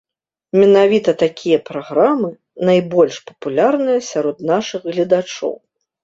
Менавіта такія праграмы найбольш папулярныя сярод нашых гледачоў.